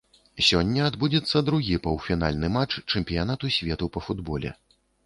Сёння адбудзецца другі паўфінальны матч чэмпіянату свету па футболе.